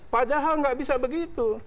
padahal nggak bisa begitu